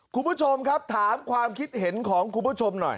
คุณผู้ชมครับถามความคิดเห็นของคุณผู้ชมหน่อย